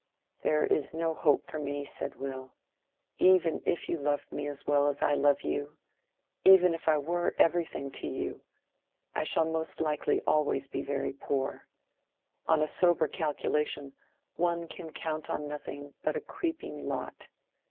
"There is no hope for me," said Will. "Even if you loved me as well as I love you—even if I were everything to you—I shall most likely always be very poor: on a sober calculation, one can count on nothing but a creeping lot.